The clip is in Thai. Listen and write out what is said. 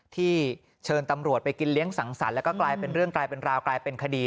ที่เชิญตำรวจไปกินเลี้ยงสังสรรค์แล้วก็กลายเป็นเรื่องกลายเป็นราวกลายเป็นคดี